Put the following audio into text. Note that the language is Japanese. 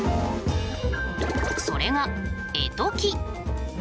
それが「絵解き」。